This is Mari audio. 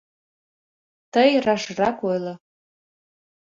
Тый рашрак ойло!..